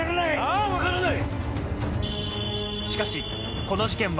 ああ分からない！